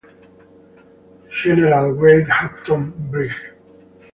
General Wade Hampton, Brig.